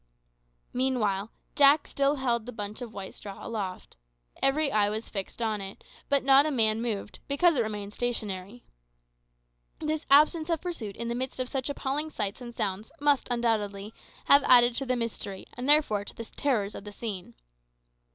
Meanwhile Jack still held the bunch of white straw aloft. Every eye was fixed on it, but not a man moved, because it remained stationary. This absence of pursuit in the midst of such appalling sights and sounds must, undoubtedly, have added to the mystery and therefore to the terrors of the scene.